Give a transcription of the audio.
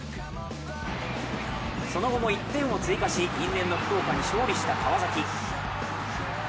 その後も１点を追加し因縁の福岡に勝利した川崎。